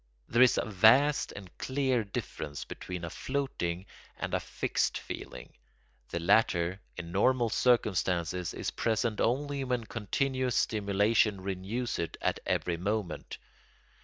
There is a vast and clear difference between a floating and a fixed feeling; the latter, in normal circumstances, is present only when continuous stimulation renews it at every moment.